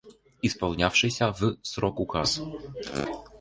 Исполнявшийся в срок указ